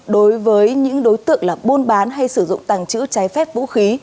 đối với những đối tượng là buôn bán hay sử dụng tàng trữ trái phép vũ khí